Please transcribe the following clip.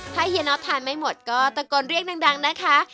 เฮียน็อตทานไม่หมดก็ตะโกนเรียกดังนะคะ